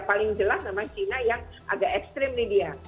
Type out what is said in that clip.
paling jelas namanya china yang agak ekstrem nih dia